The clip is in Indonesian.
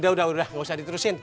udah udah gak usah diterusin